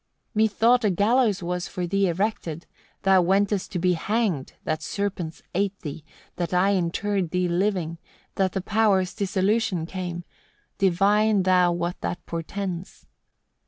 22. "Methought a gallows was for thee erected, thou wentest to be hanged, that serpents ate thee, that I inter'd thee living, that the Powers' dissolution came Divine thou what that portends.